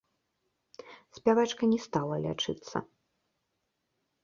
Спявачка не стала лячыцца.